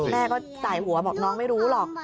แม่ก็สายหัวบอกน้องไม่รู้หรอก